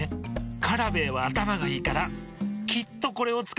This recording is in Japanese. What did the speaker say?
カラベーはあたまがいいからきっとこれをつかうよ。